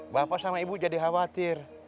bapak sama ibu jadi khawatir